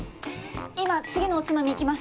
今次のおつまみ行きます。